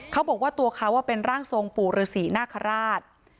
เขาบอกว่าตัวเขาเป็นร่างทรงปู่ฤษีนาคาราช